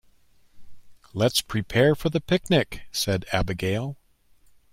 "Let's prepare for the picnic!", said Abigail.